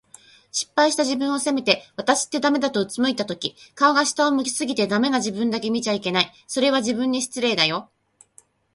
失敗した自分を責めて、「わたしってダメだ」と俯いたとき、顔が下を向き過ぎて、“ダメ”な自分だけ見ちゃいけない。それは、自分に失礼だよ。